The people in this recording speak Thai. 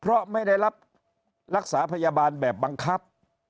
เพราะไม่ได้รับรักษาพยาบาลแบบบังคับ